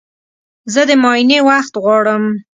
زه د معاینې وخت غواړم.